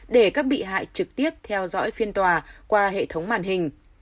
để các bị hại trực tiếp theo dõi phiên tòa qua hệ thống màn hình